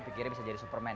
pikirnya bisa jadi superman